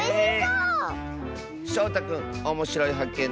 しょうたくんおもしろいはっけん